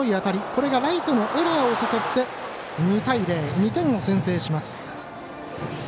これがライトへのエラーを誘って２対０、２点を先制します。